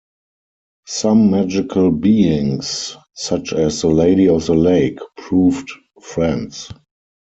Some magical beings, such as the Lady of the Lake, proved friends.